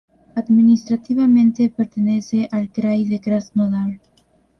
Administrativamente pertenece al krai de Krasnodar.